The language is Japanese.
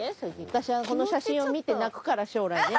私はこの写真を見て泣くから将来ね。